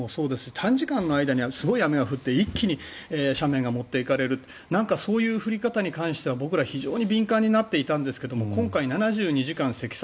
短時間の間にすごい雨が降って一気に斜面が持っていかれるなんかそういう降り方に関しては僕ら非常に敏感になっていたんですが今回、７２時間の積算